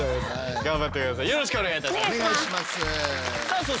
頑張って下さい。